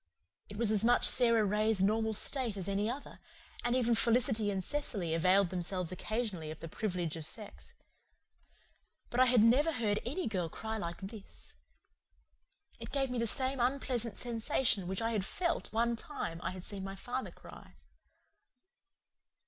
It was as much Sara Ray's normal state as any other, and even Felicity and Cecily availed themselves occasionally of the privilege of sex. But I had never heard any girl cry like this. It gave me the same unpleasant sensation which I had felt one time when I had seen my father cry.